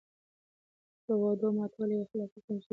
د وعدو ماتول يې اخلاقي کمزوري ګڼله.